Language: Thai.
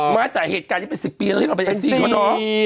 มาจากเหตุการณ์ที่เป็น๑๐ปีแล้วที่เราเป็นเอฟซีเขาเนาะ